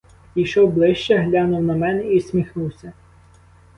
Підійшов ближче, глянув на мене і всміхнувся.